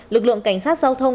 lực lượng cảnh sát giao thông